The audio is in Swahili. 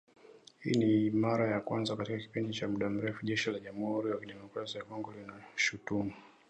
Hii ni mara ya kwanza katika kipindi cha muda mrefu Jeshi la Jamuhuri ya Demokrasia ya Kongo linashutumu